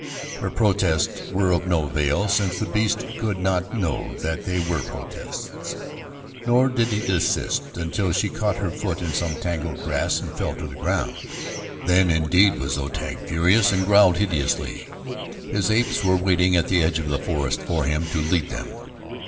Her protests were of no avail since the beast could not know that they were protests, nor did he desist until she caught her foot in some tangled grass and fell to the ground. Then indeed was Zu tag furious and growled hideously. His apes were waiting at the edge of the forest for him to lead them.